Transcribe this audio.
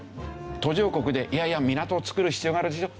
途上国で「港を造る必要があるでしょ」